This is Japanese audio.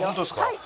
はい。